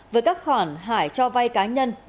với các khoản hải cho vai cá nhân